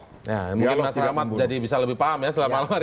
ya mungkin mas rahmat bisa lebih paham ya